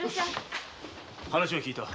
話は聞いた。